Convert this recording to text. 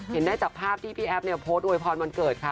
เห็นได้จากภาพที่พี่แอฟเนี่ยโพสต์อวยพรวันเกิดค่ะ